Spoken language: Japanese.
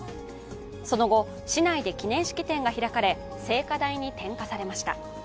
その後、市内で記念式典が開かれ、聖火台に点火されました。